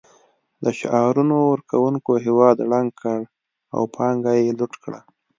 د شعارونو ورکونکو هېواد ړنګ کړ او پانګه یې لوټ کړه